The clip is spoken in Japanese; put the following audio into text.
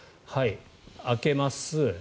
開けます。